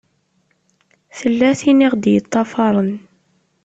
Tella tin i ɣ-d-iṭṭafaṛen.